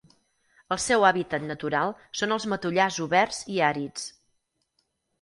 El seu hàbitat natural són els matollars oberts i àrids.